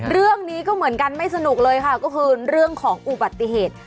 เรื่องนี้ก็เหมือนกันไม่สนุกเลยค่ะก็คือเรื่องของอุบัติเหตุ